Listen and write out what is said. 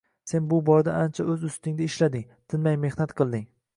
Sen bu orada ancha o‘z ustingda ishlading, tinmay mehnat qilding.